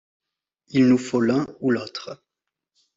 Il nous faut l’un ou l’autre.